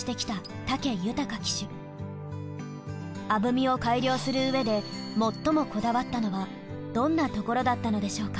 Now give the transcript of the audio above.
アブミを改良するうえで最もこだわったのはどんなところだったのでしょうか。